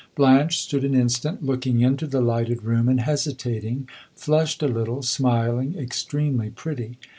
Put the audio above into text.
Blanche stood an instant looking into the lighted room and hesitating flushed a little, smiling, extremely pretty.